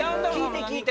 聞いて！